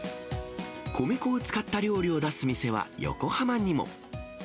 米粉を使った料理を出す店は横浜にも。